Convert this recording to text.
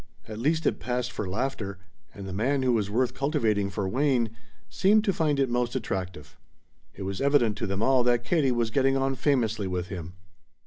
At least it passed for laughter, and the man who was worth cultivating for Wayne seemed to find it most attractive. It was evident to them all that Katie was getting on famously with him.